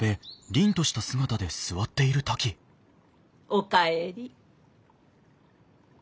お帰り。